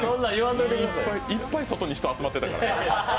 いっぱい、外に人集まってたから。